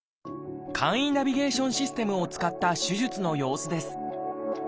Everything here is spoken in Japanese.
簡易ナビゲーションシステムを使った手術の様子です。